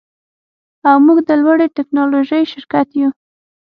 او موږ د لوړې ټیکنالوژۍ شرکت یو